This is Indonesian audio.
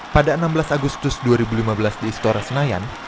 pada enam belas agustus dua ribu lima belas di istora senayan